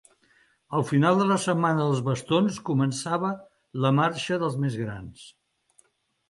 Al final de la Setmana dels bastons començava la Marxa dels més grans.